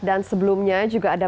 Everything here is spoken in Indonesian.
dan sebelumnya juga ada